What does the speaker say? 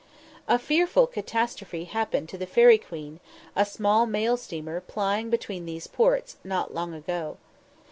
A fearful catastrophe happened to the _Fairy Queen, a small mail steamer plying between these ports, not long ago.